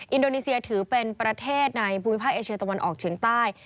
อินโดนีเซียถือเป็นประเทศในภูมิภาคเอเชียตะวันออกเฉียงใต้